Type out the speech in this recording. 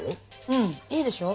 うんいいでしょ？